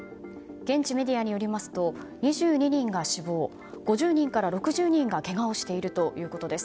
現地メディアによりますと２２人が死亡５０人から６０人がけがをしているということです。